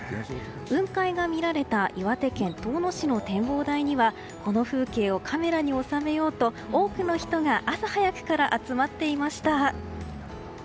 雲海が見られた岩手県遠野市の展望台にはこの風景をカメラに収めようと多くの人が朝早くから集まっていました。